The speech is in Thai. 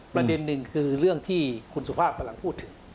ประเด็นหนึ่งคือเรื่องที่คุณสุภาพกำลังพูดถึง